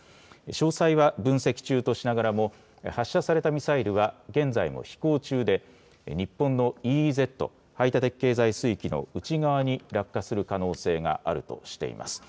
詳細は分析中としながらも発射されたミサイルは現在も飛行中で日本のＥＥＺ・排他的経済水域の内側に落下する可能性があるとしています。